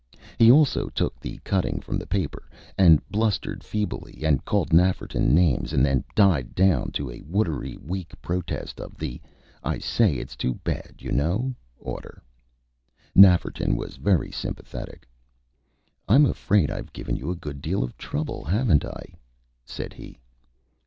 He also took the cutting from the paper, and blustered feebly and called Nafferton names, and then died down to a watery, weak protest of the "I say it's too bad you know" order. Nafferton was very sympathetic. "I'm afraid I've given you a good deal of trouble, haven't I?" said he.